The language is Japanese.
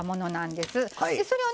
でそれをね